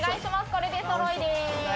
これでそろいでーす。